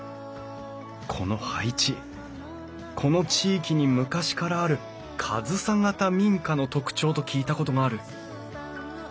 この配置この地域に昔からある上総型民家の特徴と聞いたことがある。